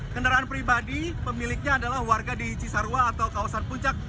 kendaraan pribadi pemiliknya adalah warga di cisarua atau kawasan puncak